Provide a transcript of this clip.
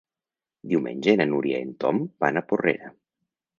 Diumenge na Núria i en Tom van a Porrera.